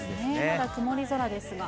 まだ曇り空ですが。